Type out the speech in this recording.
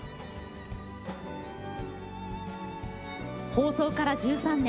放送から１３年。